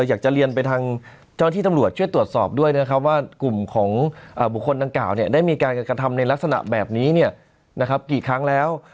อยากจะเรียนไปทางเจ้าที่ตำรวจช่วยตรวจสอบด้วยนะครับว่ากลุ่มของบุคคลดังกล่าวได้มีการกระทำในลักษณะแบบนี้กี่ครั้งแล้ว